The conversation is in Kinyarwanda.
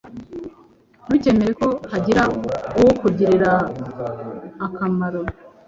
Ntukemere ko hagira uwukugirira akamaro.